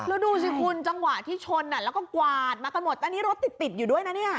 แล้วดูสิคุณจังหวะที่ชนแล้วก็กวาดมากันหมดอันนี้รถติดติดอยู่ด้วยนะเนี่ย